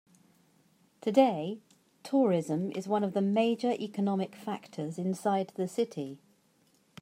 Today, tourism is one of the major economic factors inside the city.